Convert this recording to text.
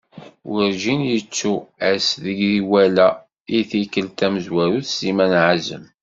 Werğin yettu ass deg iwala i tikelt tamezwarut Sliman Azem.